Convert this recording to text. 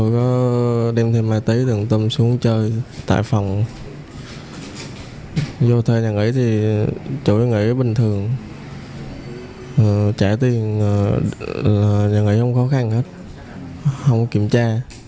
chủ đề nghỉ bình thường trả tiền là nghỉ không khó khăn hết không kiểm tra